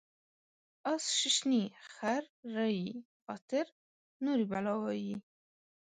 اس ششني ، خر رایي غاتر نوري بلا وایي.